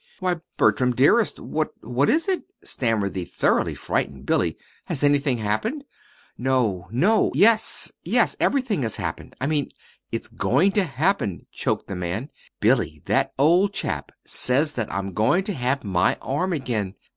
"Why, Bertram, dearest, what what is it?" stammered the thoroughly frightened Billy. "Has anything happened?" "No, no yes yes, everything has happened. I mean, it's going to happen," choked the man. "Billy, that old chap says that I'm going to have my arm again.